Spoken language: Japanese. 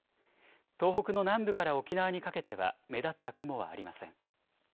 東北の南部から沖縄にかけては目立った雲はありません。